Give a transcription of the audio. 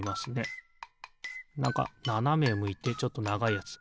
なんかななめむいてちょっとながいやつ。